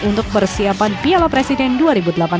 untuk bersiapkan pernikahan di papua